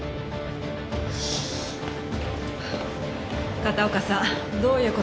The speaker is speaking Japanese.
片岡さんどういう事ですか？